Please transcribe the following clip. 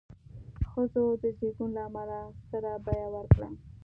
ښځو د زېږون له امله ستره بیه ورکړه.